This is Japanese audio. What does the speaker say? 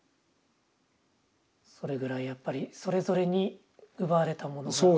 それぐらいやっぱりそれぞれに奪われたものが。